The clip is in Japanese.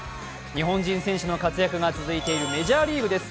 日本人選手の活躍が続いているメジャーリーグです。